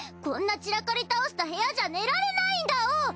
こんな散らかり倒した部屋じゃ寝られないんだお！